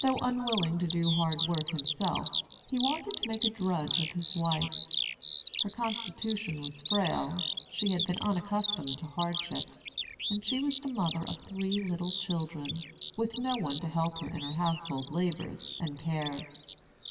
Though unwilling to do hard work himself, he wanted to make a drudge of his wife. Her constitution was frail, she had been unaccustomed to hardship, and she was the mother of three little children, with no one to help her in her household labors and cares.